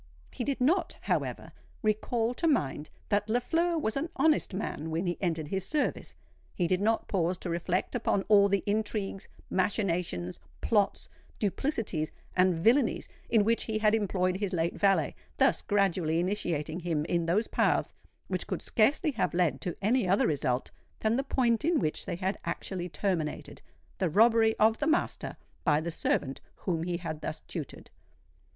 He did not, however, recall to mind that Lafleur was an honest man when he entered his service;—he did not pause to reflect upon all the intrigues, machinations, plots, duplicities, and villanies, in which he had employed his late valet,—thus gradually initiating him in those paths which could scarcely have led to any other result than the point in which they had actually terminated—the robbery of the master by the servant whom he had thus tutored.